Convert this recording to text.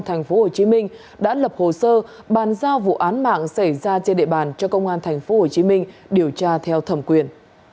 tp hcm đã lập hồ sơ bàn giao vụ án mạng xảy ra trên địa bàn cho công an tp hcm điều tra theo thẩm quyền